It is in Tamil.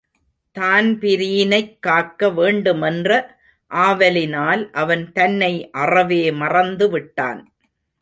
தான்பிரீனைக் காக்க வேண்டுமென்ற ஆவலினால் அவன் தன்னை அறவே மறந்து விட்டான்.